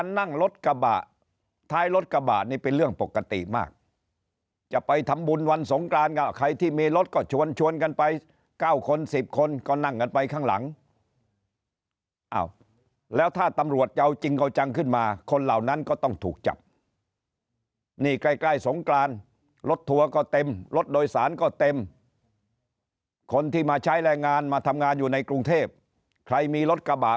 นั่งรถกระบะท้ายรถกระบะนี่เป็นเรื่องปกติมากจะไปทำบุญวันสงกรานกับใครที่มีรถก็ชวนชวนกันไป๙คน๑๐คนก็นั่งกันไปข้างหลังอ้าวแล้วถ้าตำรวจจะเอาจริงเอาจังขึ้นมาคนเหล่านั้นก็ต้องถูกจับนี่ใกล้ใกล้สงกรานรถทัวร์ก็เต็มรถโดยสารก็เต็มคนที่มาใช้แรงงานมาทำงานอยู่ในกรุงเทพใครมีรถกระบะ